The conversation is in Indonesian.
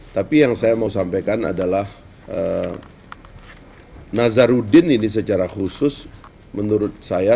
tapi yang saya mau sampaikan adalah nazarudin ini secara khusus menurut saya